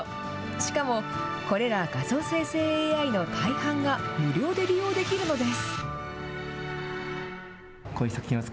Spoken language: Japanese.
しかもこれら画像生成ＡＩの大半が無料で利用できるのです。